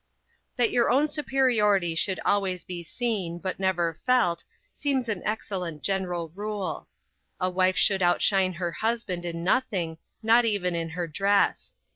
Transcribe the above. That your own superiority should always be seen, but never felt, seems an excellent general rule. A wife should outshine her husband in nothing, not even in her dress.